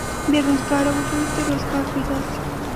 بې روزګاره وګړو ته روزګار پیدا شي.